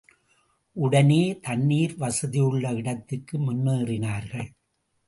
உடனே தண்ணீர் வசதியுள்ள இடத்துக்கு முன்னேறினார்கள்.